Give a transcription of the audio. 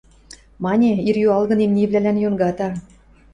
– Мане, ир юалгын имнивлӓлӓн йонгата...